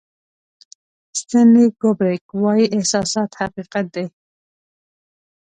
استنلي کوبریک وایي احساسات حقیقت دی.